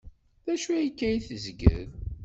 D acu akka ay tezgel?